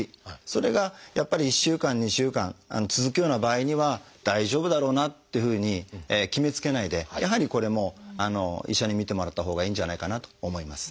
それがやっぱり１週間２週間続くような場合には大丈夫だろうなっていうふうに決めつけないでやはりこれも医者に診てもらったほうがいいんじゃないかなと思います。